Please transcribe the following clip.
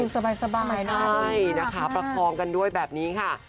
สบายนะใช่นะคะประคองกันด้วยแบบนี้ค่ะ